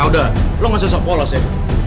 ah udah lo nggak seseorang polos ya